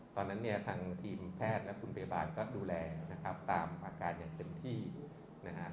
ตอนนั้นเนี่ยทางทีมแพทย์และคุณพยาบาลก็ดูแลนะครับตามอาการอย่างเต็มที่นะฮะ